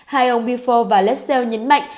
hai ông beaufort và lassell nhấn mạnh